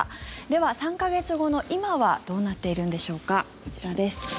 では、３か月後の今はどうなってるんでしょうか。